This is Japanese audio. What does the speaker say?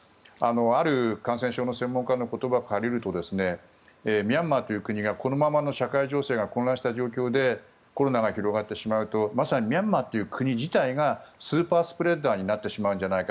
ある感染症の専門家の言葉を借りるとミャンマーという国がこのままの社会情勢が混乱した状況でコロナが広がってしまうとまさにミャンマーという国がスーパースプレッダーになってしまうんじゃないか。